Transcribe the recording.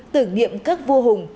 tưởng niệm các vua hùng